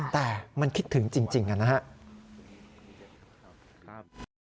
แต่มันคิดถึงจริงนะครับ